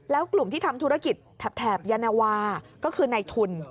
แล้วกลุ่มที่ทำธุรกิจแถบยานวาก็คือในทุน